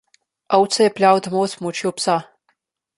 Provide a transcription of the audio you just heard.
Ovce je peljal domov s pomočjo psa.